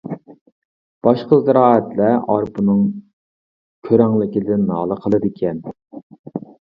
باشقا زىرائەتلەر ئارپىنىڭ كۆرەڭلىكىدىن نالە قىلىدىكەن.